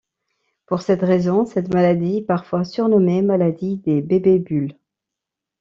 Pour cette raison, cette maladie est parfois surnommée maladie des bébés-bulles.